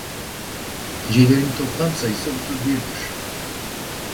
Hecelerin toplam sayısı otuz bir dir.